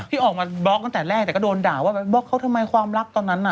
ที่ออกมาบล็อกตั้งแต่แรกแต่ก็โดนด่าว่าไปบล็อกเขาทำไมความรักตอนนั้นน่ะ